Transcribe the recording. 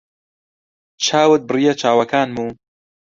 چاوت بڕیە چاوەکانم و